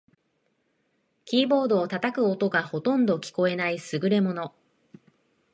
キーボードを叩く音がほとんど聞こえない優れもの